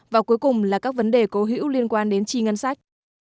và cuối cùng là các vấn đề cố hữu liên quan đến chi ngân sách